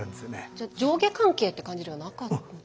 じゃあ上下関係って感じではなかった？